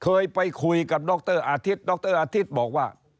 เคยไปคุยกับดรอาทิตย์ดรอาทิตย์บอกว่า